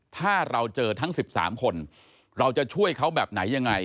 ถ้าเราเจอทั้ง๑๓คนเราจะช่วยเขาแบบไหนยังไง